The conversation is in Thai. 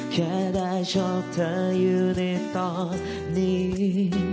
แค่ได้ชอบเธออยู่ในตอนนี้